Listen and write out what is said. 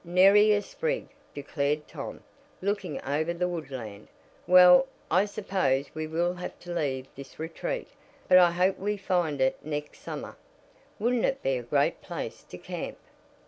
"Nary a sprig," declared Tom, looking over the woodland. "Well, I suppose we will have to leave this retreat. But I hope we find it next summer. Wouldn't it be a great place to camp?"